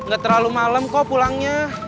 gak terlalu malam kok pulangnya